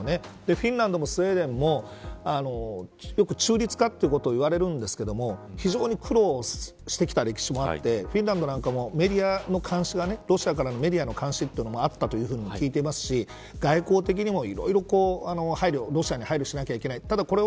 フィンランドもスウェーデンもよく中立化ということを言われるんですが非常に苦労してきた歴史もあってフィンランドなんかもロシアからのメディアの監視もあったと聞いてますし外交的にも、いろいろロシアに配慮しないといけない。